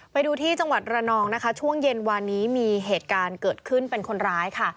ไปดูที่จังหวัดระนองนะคะช่วงเย็นวานนี้มีเหตุการณ์เกิดขึ้นเป็นคนร้ายค่ะ